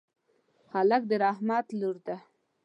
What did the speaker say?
هلک د رحمت لور دی.